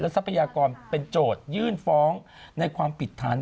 ทรัพยากรเป็นโจทยื่นฟ้องในความผิดฐาน